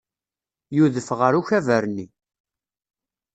Yudef ɣer ukabar-nni.